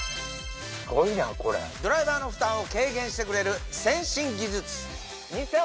ドライバーの負担を軽減してくれる先進技術